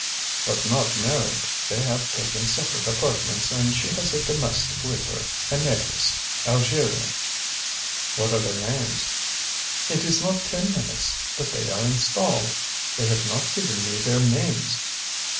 But not married: they have taken separate apartments and she has a domestic with her, a negress, Algerian." "What are their names?" "It is not ten minutes that they are installed. They have not given me their names."